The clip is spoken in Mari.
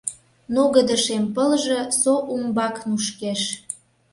Нугыдо шем пылже Со умбак нушкеш.